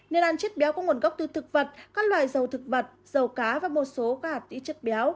nên ăn chất béo có nguồn gốc từ thực vật các loài dầu thực vật dầu cá và một số các hạt tí chất béo